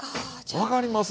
分かります？